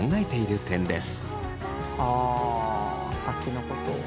あ先のことを。